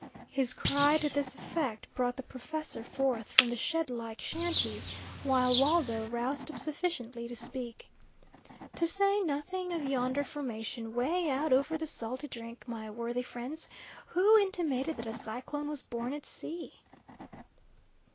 His cry to this effect brought the professor forth from the shed like shanty, while Waldo roused up sufficiently to speak: "To say nothing of yonder formation way out over the salty drink, my worthy friends, who intimated that a cyclone was born at sea?"